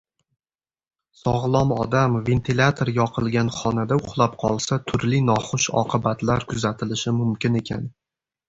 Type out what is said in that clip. sog`lom odam ventilyator yoqilgan xonada uxlab qolsa turli noxush oqibatlar kuzatilishi mumkin ekan.